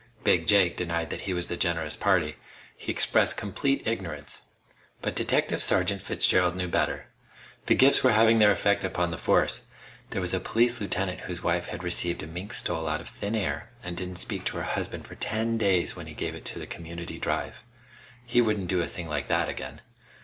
Big Jake denied that he was the generous party. He expressed complete ignorance. But Detective Sergeant Fitzgerald knew better. The gifts were having their effect upon the Force. There was a police lieutenant whose wife had received a mink stole out of thin air and didn't speak to her husband for ten days when he gave it to the Community Drive. He wouldn't do a thing like that again!